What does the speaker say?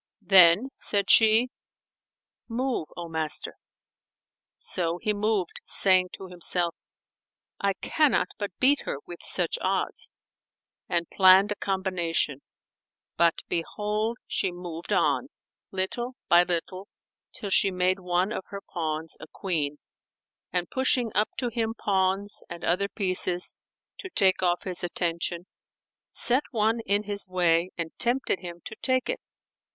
[FN#449] Then said she, "Move, O master." So he moved, saying to himself, "I cannot but beat her, with such odds," and planned a combination; but, behold, she moved on, little by little, till she made one of her pawns[FN#450] a queen and pushing up to him pawns and other pieces, to take off his attention, set one in his way and tempted him to take it.